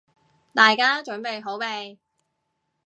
大家準備好未？